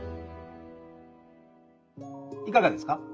いかがですか？